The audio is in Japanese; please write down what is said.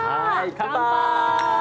乾杯！